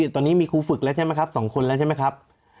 ตอนนี้มีครูฝึกแล้วใช่ไหมครับ๒คนแล้วใช่ไหมครับ